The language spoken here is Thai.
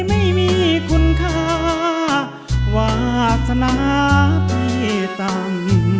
ไม่มีคุณค่าวาสนาพี่ต่ำ